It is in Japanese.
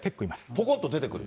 ぽこっと出てくる。